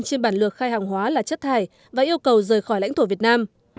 trên bản lượt khai hàng hóa là chất thải và yêu cầu rời khỏi lãnh thổ việt nam